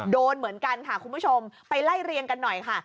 โดนเหมือนกันค่ะคุณผู้ชมไปไล่เรียงกันหน่อยค่ะ